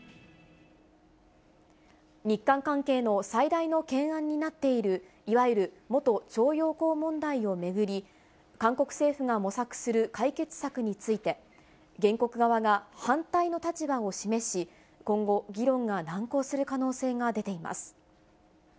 日韓関係の最大の懸案になっている、いわゆる元徴用工問題を巡り、韓国政府が模索する解決策について、原告側が反対の立場を示し、今後、議論が難航する可能性が出ています。